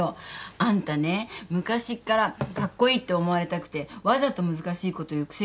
あんたね昔っからカッコイイって思われたくてわざと難しいこと言う癖があるよ。